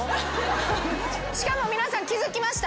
しかも皆さん気付きました？